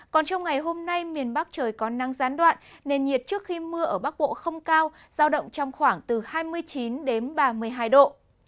còn trong ngày hôm nay miền bắc trời có năng gián đoạn nền nhiệt trước khi mưa ở bắc bộ không cao giao động trong khoảng từ hai mươi chín đến ba mươi hai độ